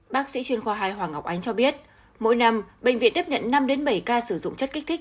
bác sĩ chuyên khoa hai hoàng ngọc ánh cho biết mỗi năm bệnh viện tiếp nhận năm bảy ca sử dụng chất kích thích